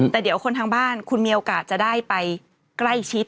แต่เดี๋ยวคนทางบ้านคุณมีโอกาสจะได้ไปใกล้ชิด